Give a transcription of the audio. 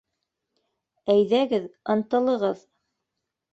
Әйҙәгеҙ, ынтылығыҙ...